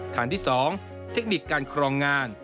ฐานที่๒เทคนิคการครองงาน